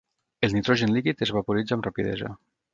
El nitrogen líquid es vaporitza amb rapidesa.